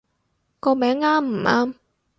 個名啱唔啱